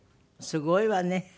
すごいわね。